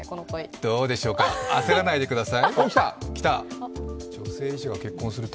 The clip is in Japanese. どうでしょうか、焦らないでください。